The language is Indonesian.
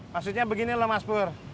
maksudnya begini loh mas bur